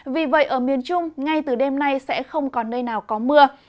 vì vậy ở miền trung ngay từ đêm nay sẽ không còn nơi nào có mưa